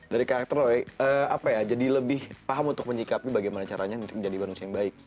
dari karakter roy apa ya jadi lebih paham untuk menyikapi bagaimana caranya menjadi manusia yang baik